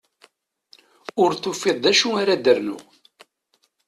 Ur tufiḍ d acu ara d-rnuɣ.